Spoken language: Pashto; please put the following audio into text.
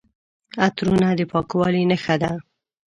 عطرونه د پاکوالي نښه ده.